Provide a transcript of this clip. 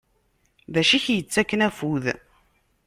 Dacu i ak-yettakken afud?